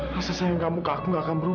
rasa sayang kamu ke aku gak akan berhenti